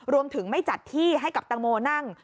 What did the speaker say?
ไม่จัดที่ให้กับตังโมนั่ง